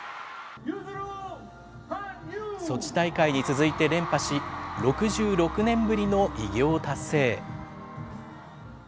ソチ大会に続いて連覇し、６６年ぶりの偉業を達成。